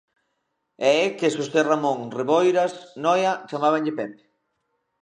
E é que a Xosé Ramón Reboiras Noia chamábanlle Pepe.